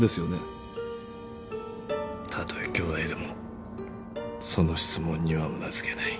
たとえ兄弟でもその質問にはうなずけない。